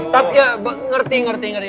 tapi ya ngerti ngerti